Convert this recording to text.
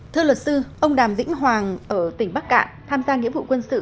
thưa luật sư ông đàm vĩnh hoàng ở tỉnh bắc cạn tham gia nghĩa vụ quân sự